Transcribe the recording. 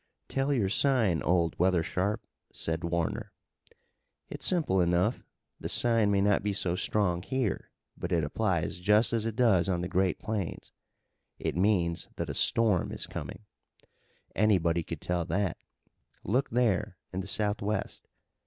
"Tell your sign, old weather sharp," said Warner. "It's simple enough. The sign may not be so strong here, but it applies just as it does on the great plains. It means that a storm is coming. Anybody could tell that. Look there, in the southwest.